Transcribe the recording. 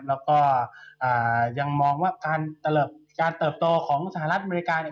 แล้วก็ยังมองว่าการเติบโตของสหรัฐอเมริกาเนี่ย